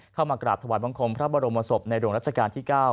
เข้ามากราบถวายบังคมพระบรมศพในหลวงรัชกาลที่๙